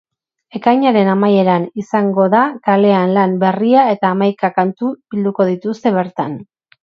Ekainaren amaieran izango da kalean lan berria eta hamaika kantu bilduko dituzte bertan.